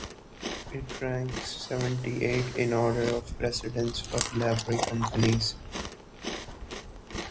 It ranks seventy-eighth in the order of precedence for Livery Companies.